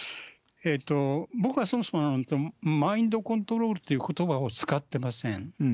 僕はそもそもマインドコントロールということばを使ってません。